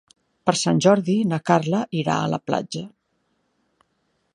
Per Sant Jordi na Carla irà a la platja.